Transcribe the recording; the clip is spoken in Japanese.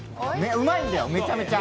うまいんだよ、めちゃめちゃ。